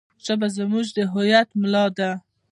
ژبه زموږ د هویت ملا ده.